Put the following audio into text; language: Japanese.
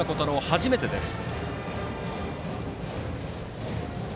初めてです。